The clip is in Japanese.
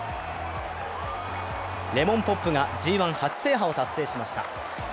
レモンポップがＧⅠ初制覇を達成しました。